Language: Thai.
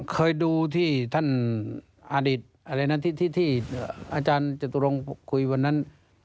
เคยดูที่ท่านอดิษฐ์อะไรนะที่อาจารย์จตุรงค์คุยวันนั้น